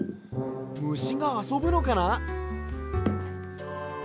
ムシがあそぶのかな？